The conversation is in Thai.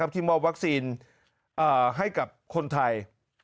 ที่มอบวัคซีนให้กับคนไทย